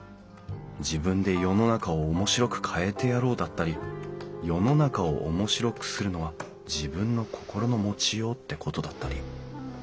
「自分で世の中を面白く変えてやろう」だったり「世の中を面白くするのは自分の心の持ちよう」ってことだったり。